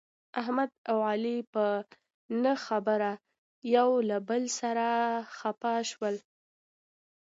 احمد او علي په نه خبره یو له بل سره خپه شول.